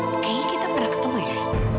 kayaknya kita pernah ketemu ya